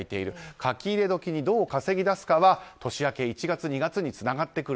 かき入れ時にどう稼ぎ出すかは年明け、１月、２月につながってくる。